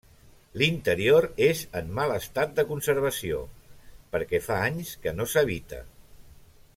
L'interior és en mal estat de conservació, perquè fa anys que no s'habita.